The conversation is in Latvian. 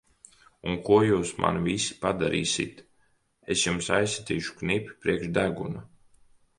Un ko jūs man visi padarīsit! Es jums aizsitīšu knipi priekš deguna!